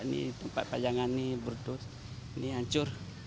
ini tempat pajangan ini bertut ini hancur